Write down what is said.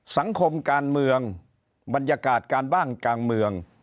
สังคมการเมืองบรรยากาศการบ้านกลางเมือง